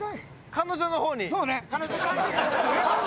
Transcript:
彼女の方に。